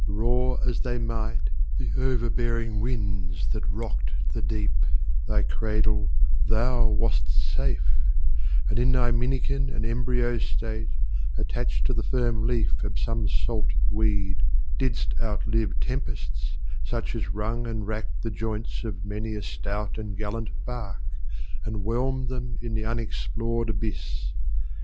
Roar as they might, the overbearing winds That rock'd the deep, thy cradle, thou wast safe And in thy minikin and embryo state, Attach'd to the firm leaf of some salt weed, Didst outlive tempests, such as wrung and rack'd The joints of many a stout and gallant bark, And whelm'd them in the unexplor'd abyss.